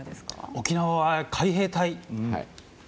沖縄は海兵隊。